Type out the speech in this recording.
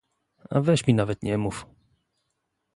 A weź mi nawet nie mów...